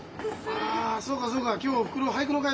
ああそうかそうか。